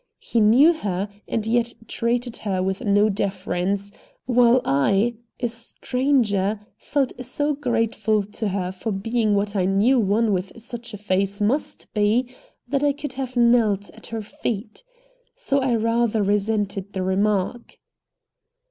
He knew her, and yet treated her with no deference, while I, a stranger, felt so grateful to her for being what I knew one with such a face must be, that I could have knelt at her feet. So I rather resented the remark.